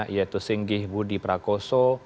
yaitu singgih budi prakoso